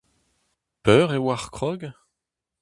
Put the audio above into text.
Peur e oac'h krog ?